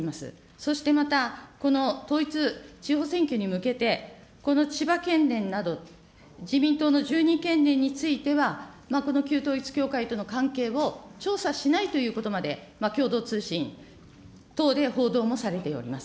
そしてまた、この統一地方選挙に向けて、千葉県連など自民党の１２県連については、この旧統一教会との関係を調査しないということまで、共同通信等で報道もされております。